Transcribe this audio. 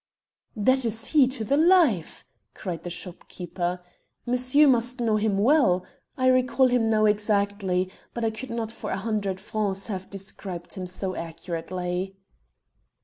"That is he to the life," cried the shopkeeper. "Monsieur must know him well. I recall him now exactly, but I could not for a hundred francs have described him so accurately."